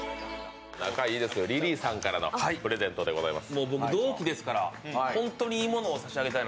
仲いいですよ、リリーさんからのプレゼントでございます。